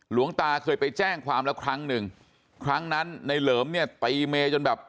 หลวงตาเคยไปแจ้งความแล้วครั้งหนึ่งครั้งนั้นในเหลิมเนี่ยตีเมยจนแบบ